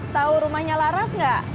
tau rumahnya laras nggak